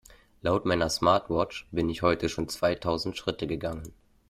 Laut meiner Smartwatch bin ich heute schon zweitausend Schritte gegangen.